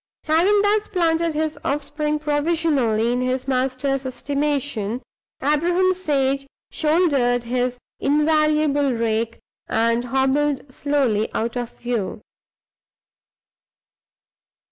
Having thus planted his offspring provisionally in his master's estimation, Abraham Sage shouldered his invaluable rake, and hobbled slowly out of view.